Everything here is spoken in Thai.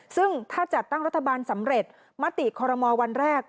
ซึ่งถ้าจัดตั้งรัฐบาลสำเร็จมติคอรมอลวันแรก